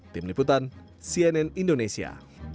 tim liputan cnn indonesia